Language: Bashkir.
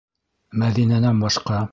Мәҙинәнән башҡа...